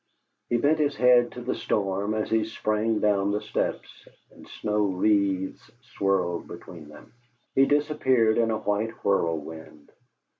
He bent his head to the storm as he sprang down the steps, and snow wreaths swirled between them. He disappeared in a white whirlwind.